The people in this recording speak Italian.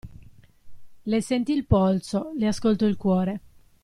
Le sentì il polso, le ascoltò il cuore.